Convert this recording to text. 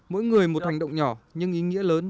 mỗi người một hành động nhỏ nhưng ý nghĩa lớn